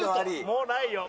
もうないよ。